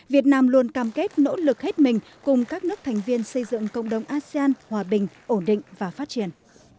việt nam luôn cam kết nỗ lực hết mình cùng các nước thành viên xây dựng cộng đồng asean hòa bình ổn định và phát triển